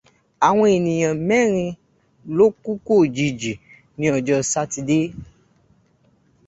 Àwọn èèyàn mẹ́rin ló kúkú òjijì ní ọjọ Sátidé